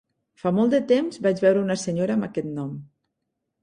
Fa molt de temps vaig veure una senyora amb aquest nom.